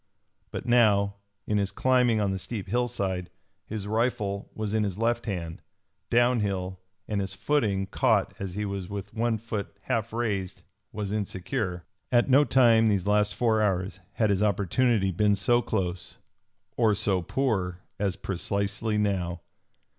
But now, in his climbing on the steep hillside, his rifle was in his left hand, downhill, and his footing, caught as he was with one foot half raised, was insecure. At no time these last four hours had his opportunity been so close or so poor as precisely now!